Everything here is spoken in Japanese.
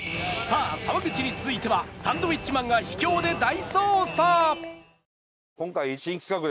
さあ沢口に続いてはサンドウィッチマンが秘境で大捜査！